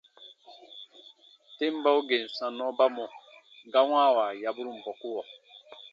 Tem bau gèn sannɔ ba mɔ̀ ga wãawa yaburun bɔkuɔ.